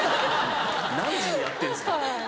何時にやってんですか。